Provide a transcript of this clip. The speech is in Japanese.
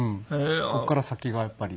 ここから先がやっぱり。